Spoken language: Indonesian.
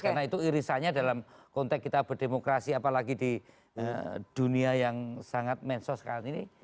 karena itu irisannya dalam konteks kita berdemokrasi apalagi di dunia yang sangat mensos kali ini